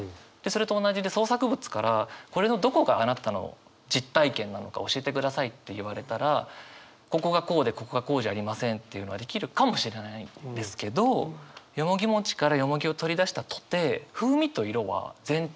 それと同じで創作物からこれのどこがあなたの実体験なのか教えてくださいって言われたらここがこうでここがこうじゃありませんっていうのはできるかもしれないですけどよもぎからよもぎを取り出したとて